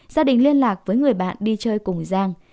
gia đình liên lạc với người bạn đi chơi cùng với giang